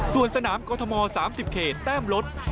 ส่วนสนามกรทม๓๐เขตแต้มลด